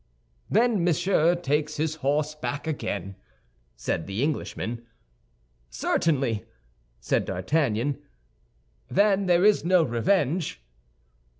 "Then Monsieur takes his horse back again," said the Englishman. "Certainly," said D'Artagnan. "Then there is no revenge?"